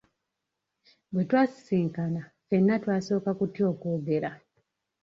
Bwe twasisinkana ffenna twasooka kutya okwogera.